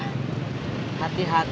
benceng aja lihat